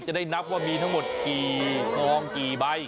จะได้นับว่ามีทั้งหมดกี่ฟองกี่ใบ